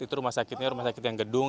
itu rumah sakitnya rumah sakit yang gedung